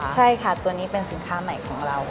ใช่ค่ะตัวนี้เป็นสินค้าใหม่ของเรา